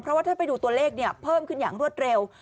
เพราะว่าถ้าไปดูตัวเลขเนี่ยเพิ่มขึ้นอย่างรวดเร็ว